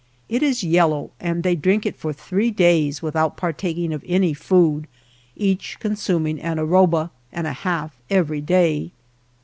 It is yellow and they drink it for three days without partaking of any food, each consuming an arroba and a half every day.